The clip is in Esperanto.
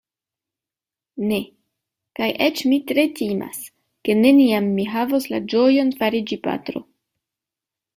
Ne; kaj eĉ mi tre timas, ke neniam mi havos la ĝojon fariĝi patro.